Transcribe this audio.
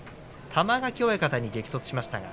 玉垣親方に激突しました。